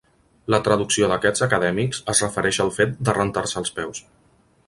La traducció d'aquests acadèmics es refereix al fet de rentar-se els peus.